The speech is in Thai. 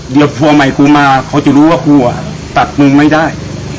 เดี๋ยวผัวใหม่กูมาเขาจะรู้ว่ากูอ่ะตัดมึงไม่ได้